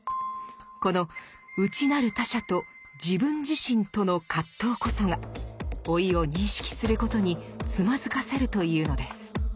この内なる他者と自分自身との葛藤こそが老いを認識することにつまずかせるというのです。